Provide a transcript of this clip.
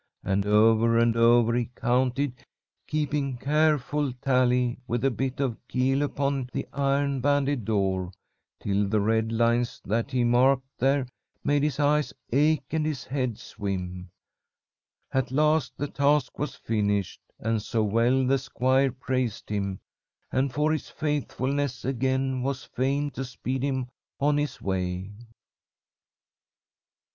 And o'er and o'er he counted, keeping careful tally with a bit of keel upon the iron banded door, till the red lines that he marked there made his eyes ache and his head swim. At last the task was finished, and so well the squire praised him, and for his faithfulness again was fain to speed him on his way.